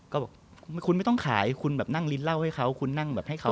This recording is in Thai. ก็บอกคุณไม่ต้องขายคุณแบบนั่งลิ้นเหล้าให้เขาคุณนั่งแบบให้เขา